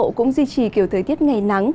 bộ cũng duy trì kiểu thời tiết ngày nắng